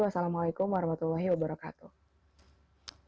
wassalamualaikum warahmatullahi wabarakatuh